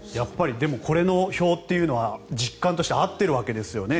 でも、この表というのは実感として合っているわけですよね。